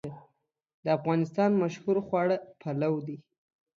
د افغانستان مشهور خواړه پلو دی